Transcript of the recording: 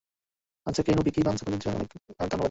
আচ্ছা, কেইন ও Vicky Evans, আপনাদের দুজনকেই অনেক ধন্যবাদ।